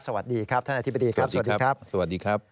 สวัสดีครับท่านอธิบดีครับสวัสดีครับสวัสดีครับ